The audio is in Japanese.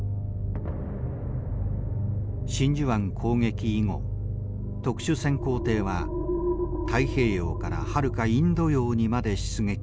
真珠湾攻撃以後特殊潜航艇は太平洋からはるかインド洋にまで出撃していった。